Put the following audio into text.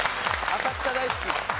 浅草大好き。